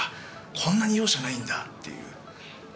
こんなに容赦ないんだっていう。